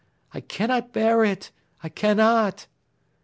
I cannot bear it, I cannot!"